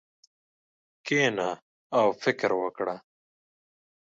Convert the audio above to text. کښېنه او فکر وکړه.